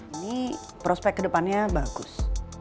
ini prospek kedepannya bagus